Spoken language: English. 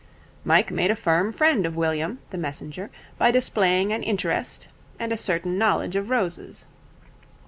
Mike made a firm friend of William, the messenger, by displaying an interest and a certain knowledge of roses.